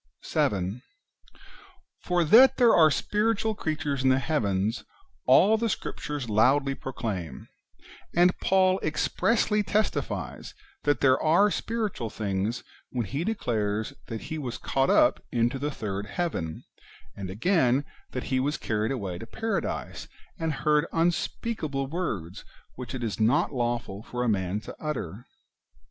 7. For that there are spiritual creatures in the heavens, all the Scriptures loudly proclaim ; and Paul expressly testifies that there are spiritual things when he declares that he was caught up into the third heaven,^ and again, that he was carried away to paradise, and heard unspeakable words which it is not lawful for a man to utter.